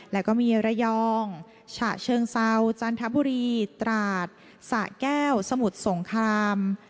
แล้วก็มีระยองฉะเชิงเซาจันทบุรีตราดสะแก้วสมุทรสงคราม